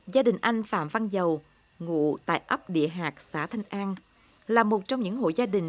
gia đình anh phạm văn dầu ngụ tại ấp địa hạt xã thanh an là một trong những hộ gia đình